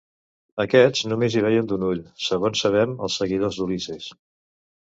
Aquests només hi veien d'un ull, segons sabem els seguidors d'Ulisses.